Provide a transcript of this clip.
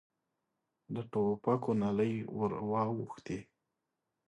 د ټوپکو نلۍ ور واوښتې.